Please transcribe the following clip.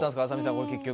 これ結局。